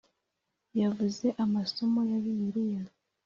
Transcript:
yavuze Amasomo ya Bibiliya